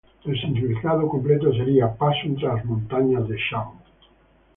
El significado completo sería "Paso entre las montañas de Shang".